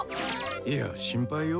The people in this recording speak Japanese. いや心配よ？